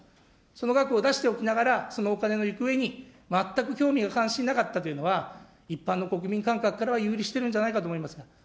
その額を出しておきながら、そのお金の行方に全く興味や関心がなかったというのは一般の国民感覚からは遊離しているんじゃないかと思います。